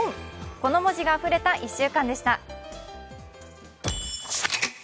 この文字があふれた１週間でした。